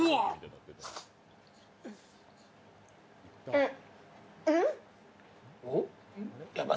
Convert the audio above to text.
うん？